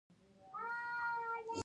که څوک ور ځي نوهغه ټول دعشق تر کلي ولاړه